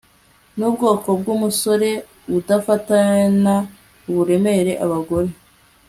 nubwoko bwumusore udafatana uburemere abagore